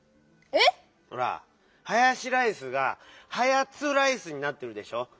えっ⁉ほら「ハヤシライス」が「ハヤツライス」になってるでしょ？